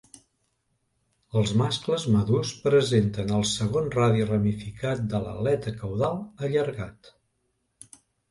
Els mascles madurs presenten el segon radi ramificat de l'aleta caudal allargat.